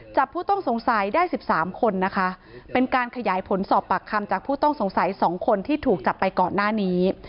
ผู้ต้องสงสัยได้๑๓คนนะคะเป็นการขยายผลสอบปากคำจากผู้ต้องสงสัย๒คนที่ถูกจับไปก่อนหน้านี้